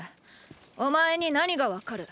お前に何がわかる。